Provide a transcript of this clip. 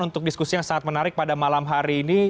untuk diskusi yang sangat menarik pada malam hari ini